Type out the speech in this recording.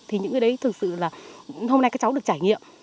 thì những cái đấy thực sự là hôm nay các cháu được trải nghiệm